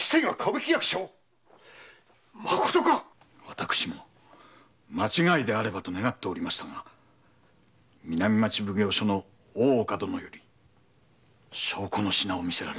私も間違いであればと願っておりましたが南町奉行所の大岡殿より証拠の品を見せられまして。